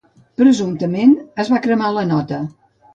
Presumptament, es va cremar la nota.